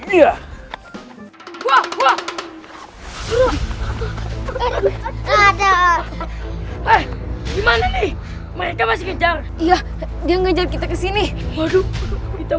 ya wah wah wah eh gimana nih mereka masih kejar iya dia ngejar kita kesini waduh kita